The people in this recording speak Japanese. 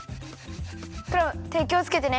クラムてきをつけてね。